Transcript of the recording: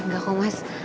enggak kok mas